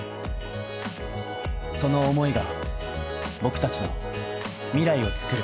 その思いが僕達の未来をつくる